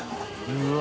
うわ！